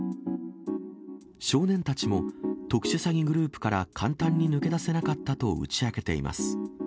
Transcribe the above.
少年たちも、特殊詐欺グループから簡単に抜け出せなかったと打ち明けています。